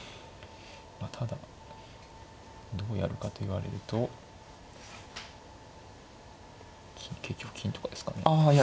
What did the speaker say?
まあただどうやるかと言われると結局金とかですかね。